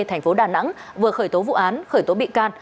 thành phố đà nẵng vừa khởi tố vụ án khởi tố bị can